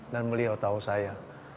dan beliau tahu saya